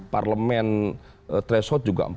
parlemen tresot juga